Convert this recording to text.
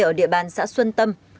ở địa bàn xã xuân tâm